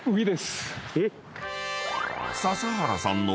［笹原さんの］